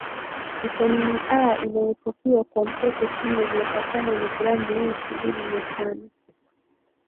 vitamini A inayotakiwa kwa mtoto chini ya miaka tano ni gram mia ishirini na tano